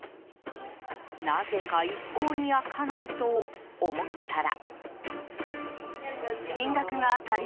なぜか一向に開かないと思ったら。